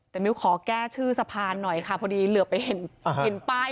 แต่มิ้วขอแก้ชื่อสะพานหน่อยค่ะพอดีเหลือไปเห็นเห็นป้าย